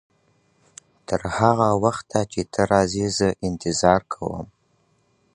تر هغه وخته چي ته راځې زه انتظار کوم.